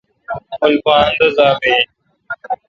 مُل پا اندازا می این۔